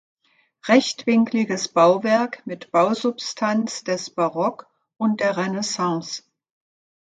Rechtwinkliges Bauwerk mit Bausubstanz des Barock und der Renaissance.